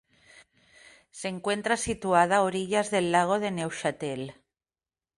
Se encuentra situada a orillas del lago de Neuchâtel.